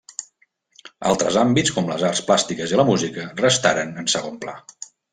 Altres àmbits com les arts plàstiques i la música restaren en segon pla.